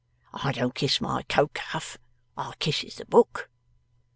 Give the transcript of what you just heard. I don't kiss my coat cuff; I kisses the book.